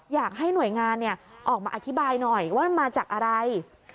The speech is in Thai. อยากให้หน่วยงานออกมาอธิบายหน่อยว่ามันมาจากอะไร